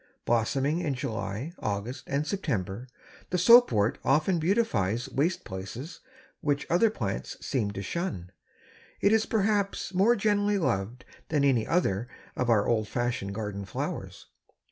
Blossoming in July, August and September, the Soapwort often beautifies waste places which other plants seem to shun. It is perhaps more generally loved than any other of our old fashioned garden flowers.